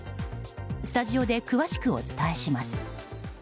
スタジオで詳しくお伝えします。